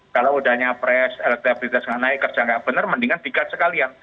kalau udah nyapres elektabilitas nggak naik kerja nggak benar mendingan dikat sekalian